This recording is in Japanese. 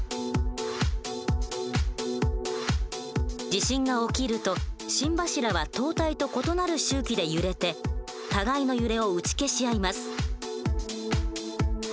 地震が起きると心柱は塔体と異なる周期で揺れて互いの揺れを打ち消し合います。